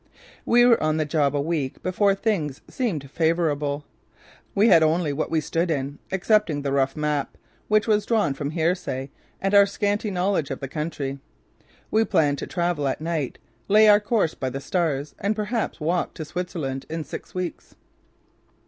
We were on the job a week before things seemed favourable. We had only what we stood in, excepting the rough map, which was drawn from hearsay and our scanty knowledge of the country. We planned to travel at night, lay our course by the stars and perhaps walk to Switzerland in six weeks.